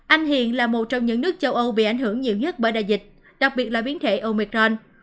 anh hiền là một trong những nước châu âu bị ảnh hưởng nhiều nhất bởi đại dịch đặc biệt là biến thể omicron